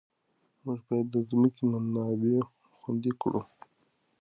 موږ باید د ځمکې منابع خوندي کړو.